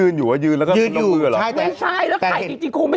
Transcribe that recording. อ๋อนั่นง่าย